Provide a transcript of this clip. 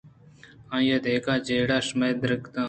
آئی ءِ دگہ جیڑہے شمئے دگر